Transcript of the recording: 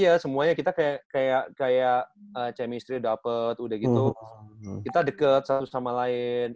iya semuanya kita kayak kayak chemistry dapet udah gitu kita deket satu sama lain